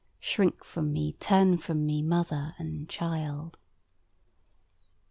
Shrink from me, turn from me, mother and child.